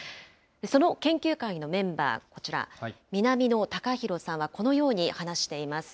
その研究会のメンバー、こちら、南野貴洋さんは、このように話しています。